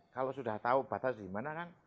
kalau sudah tahu batas di mana kan